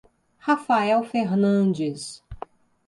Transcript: Rafael Fernandes